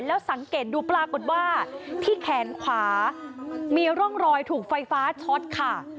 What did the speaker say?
แล้วสังเกตดูปรากฏว่าที่แขนขวามีร่องรอยถูกไฟฟ้าช็อตค่ะ